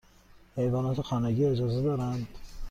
حیوانات خانگی اجازه دارند؟